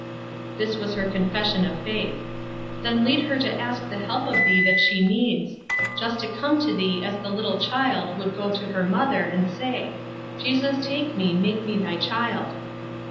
This was her confession of faith. "Then lead her to ask the help of thee that she needs. Just to come to thee as the little child would go to her mother, and say, 'Jesus, take me; make me thy child.'"